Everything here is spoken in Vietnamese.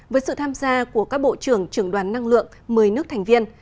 với sự tham gia của các bộ trưởng trưởng đoàn năng lượng một mươi nước thành viên